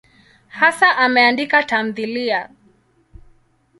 Hasa ameandika tamthiliya.